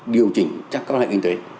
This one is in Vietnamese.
điều chỉnh các quan hệ kinh tế